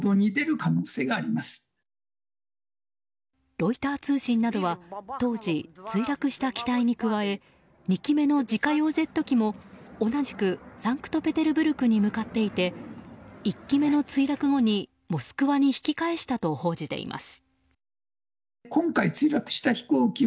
ロイター通信などは当時、墜落した機体に加え２機目の自家用ジェット機も同じくサンクトペテルブルクに向かっていて１機目の墜落後にモスクワに引き返したと報じています。